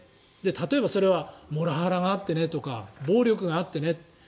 例えばそれはモラハラがあってねとか暴力があってねとか。